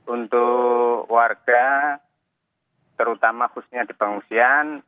untuk warga terutama khususnya di pengungsian